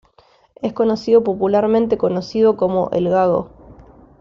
Es conocido popularmente conocido como ""El Gago"".